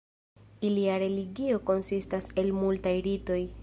Ilia religio konsistas el multaj ritoj.